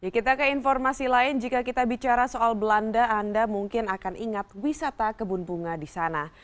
kita ke informasi lain jika kita bicara soal belanda anda mungkin akan ingat wisata kebun bunga di sana